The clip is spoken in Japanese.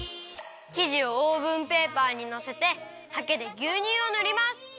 きじをオーブンペーパーにのせてはけでぎゅうにゅうをぬります！